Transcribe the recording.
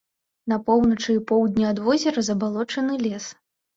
На поўначы і поўдні ад возера забалочаны лес.